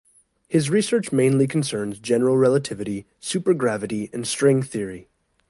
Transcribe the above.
His research mainly concerns general relativity, supergravity and string theory.